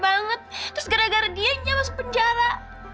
gue capek banget terus gara gara dianya masuk penjara